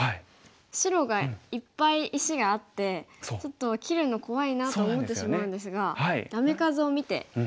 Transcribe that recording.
白がいっぱい石があってちょっと切るの怖いなって思ってしまうんですがダメ数を見て打てばいいんですね。